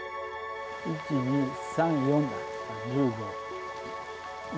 １、２、３、４だ。